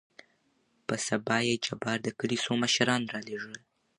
په سبا يې جبار دکلي څو مشران رالېږل.